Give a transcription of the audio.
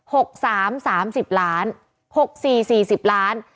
ปี๖๓๓๐ล้านปี๖๔๔๐ล้าน